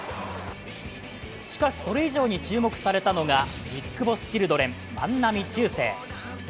しかし、それ以上に注目されたのがＢＩＧＢＯＳＳチルドレン・万波中正。